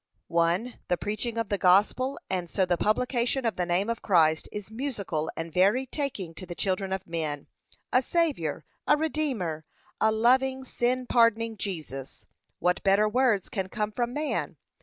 1. The preaching of the gospel, and so the publication of the name of Christ, is musical and very taking to the children of men. A Saviour! a Redeemer! a loving, sin pardoning Jesus! what better words can come from man?